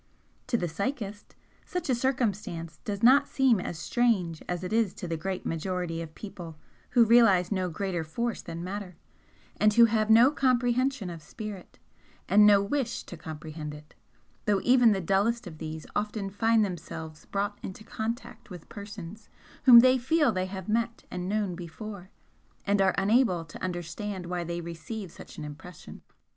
To the psychist, such a circumstance does not seem as strange as it is to the great majority of people who realise no greater force than Matter, and who have no comprehension of Spirit, and no wish to comprehend it, though even the dullest of these often find themselves brought into contact with persons whom they feel they have met and known before, and are unable to understand why they receive such an impression.